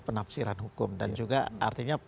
penafsiran hukum dan juga artinya